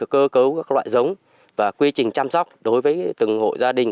cơ cấu các loại giống và quy trình chăm sóc đối với từng hộ gia đình